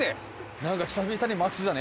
何か久々に街じゃね？